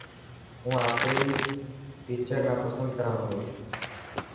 هون آپري ٽيچر نا پسند ڪران ٿو.